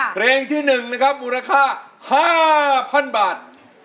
เพลงที่๑มูลค่า๕๐๐๐บาท